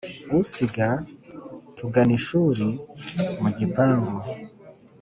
usiga tuganishuri mu gipangu